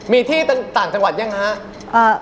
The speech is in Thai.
มีที่ต่างจังหวัดยังฮะ